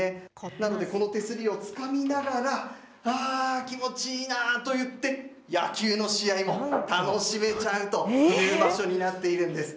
なので、この手すりをつかみながらああ気持ちいいなと言って野球の試合も楽しめちゃうという場所になっているんです。